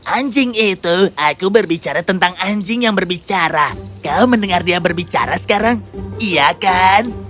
anjing itu aku berbicara tentang anjing yang berbicara kau mendengar dia berbicara sekarang iya kan